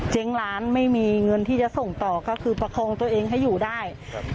ร้านไม่มีเงินที่จะส่งต่อก็คือประคองตัวเองให้อยู่ได้